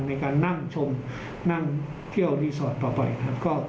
ในการนั่งชมนั่งเที่ยวรีสอร์ทต่อไปครับ